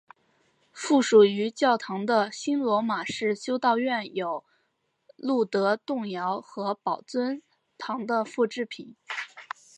附属于教堂的新罗马式修道院有露德洞窟和宝尊堂的复制品。